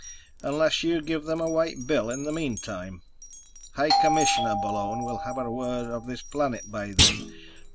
Unless you give them a white bill in the meantime. High Commissioner Bullone will have word of this planet by then.